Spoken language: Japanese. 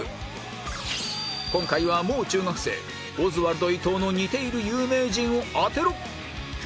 今回はもう中学生オズワルド伊藤の似ている有名人を当てろ！